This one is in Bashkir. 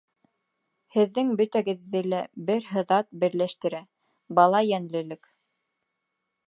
— Һеҙҙең бөтәгеҙҙе лә бер һыҙат берләштерә — бала йәнлелек.